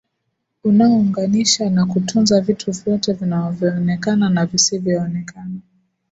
unaounganisha na kutunza vitu vyote vinavyoonekana na visivyoonekana